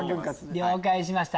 了解しました。